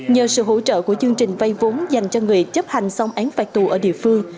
nhờ sự hỗ trợ của chương trình vay vốn dành cho người chấp hành xong án phạt tù ở địa phương